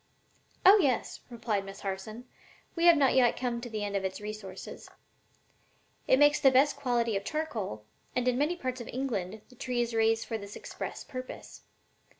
"Oh yes," replied Miss Harson; "we have not yet come to the end of its resources. It makes the best quality of charcoal, and in many parts of England the tree is raised for this express purpose.